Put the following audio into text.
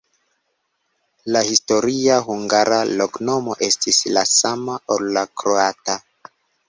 La historia hungara loknomo estis la sama, ol la kroata.